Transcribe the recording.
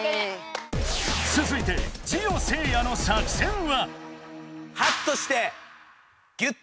つづいてジオせいやの作戦は？